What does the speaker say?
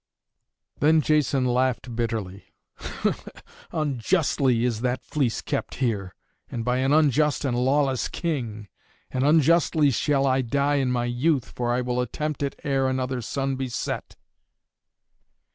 Then Jason laughed bitterly: "Unjustly is that fleece kept here, and by an unjust and lawless King, and unjustly shall I die in my youth, for I will attempt it ere another sun be set."